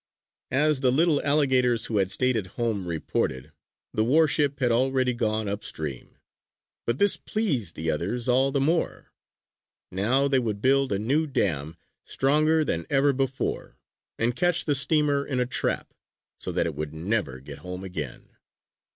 As the little alligators who had stayed at home reported, the warship had already gone by upstream. But this pleased the others all the more. Now they would build a new dam, stronger than ever before, and catch the steamer in a trap, so that it would never get home again.